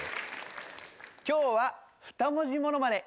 今日は２文字ものまね